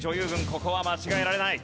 ここは間違えられない。